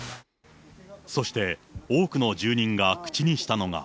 そして多くの住民が口にしたのが。